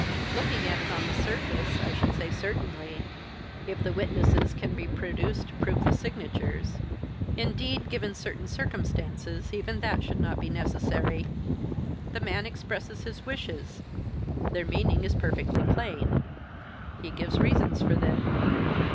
"Looking at it on the surface, I should say certainly if the witnesses can be produced to prove the signatures. Indeed, given certain circumstances, even that should not be necessary. The man expresses his wishes; their meaning is perfectly plain; he gives reasons for them.